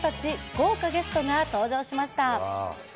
豪華ゲストが登場しました。